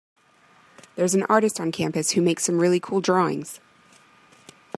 There’s an artist on campus who makes some really cool drawings.